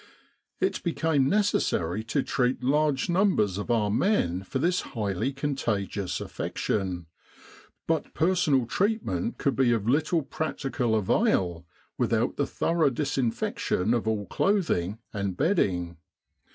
It became necessary to treat large numbers of our men for this highly con tagious affection, but personal treatment could be of little practical avail without the thorough disinfec tion of all clothing and bedding.